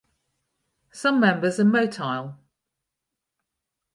Some members are motile.